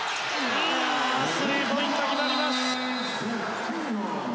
スリーポイント、決まります。